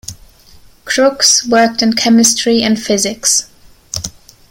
Crookes worked in chemistry and physics.